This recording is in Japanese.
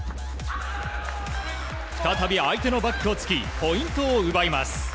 再び相手のバックを突きポイントを奪います。